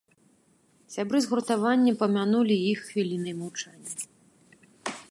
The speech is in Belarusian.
Сябры згуртавання памянулі іх хвілінай маўчання.